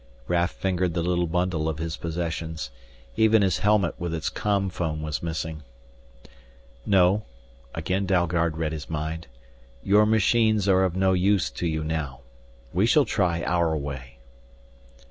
Raf fingered the little bundle of his possessions. Even his helmet with its com phone was missing. "No," again Dalgard read his mind. "Your machines are of no use to you now. We shall try our way."